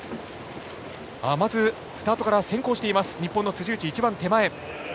まず、スタートから先行している日本の辻内、一番手前。